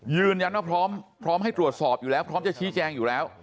ยืนยันว่าพร้อมให้ตรวจสอบอยู่แล้วพร้อมจะชี้แจงอยู่แล้ว